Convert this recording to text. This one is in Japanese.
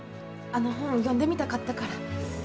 あの本読んでみたかったから。